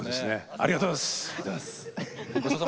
ありがとうございます。